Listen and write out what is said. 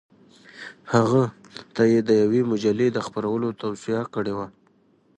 هغه ته یې د یوې مجلې د خپرولو توصیه کړې وه.